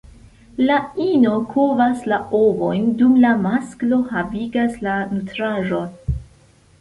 La ino kovas la ovojn, dum la masklo havigas la nutraĵon.